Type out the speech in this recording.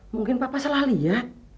mungkin papa salah lihat